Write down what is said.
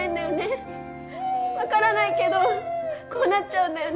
わからないけどこうなっちゃうんだよね。